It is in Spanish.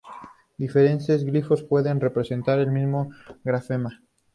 Diferentes glifos pueden representar el mismo grafema.